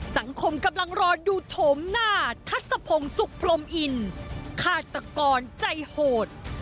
สังคมกำลังรอดูโฉมหน้าทัศพงศุกร์พรมอินฆาตกรใจโหด